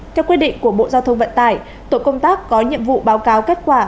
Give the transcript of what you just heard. theo quyết định của bộ giao thông vận tải tổ công tác có nhiệm vụ báo cáo kết quả